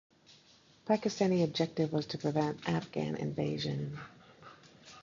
Pakistani objective was to prevent Afghan invasion.